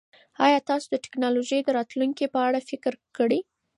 ایا تاسو د ټکنالوژۍ د راتلونکي په اړه فکر کړی؟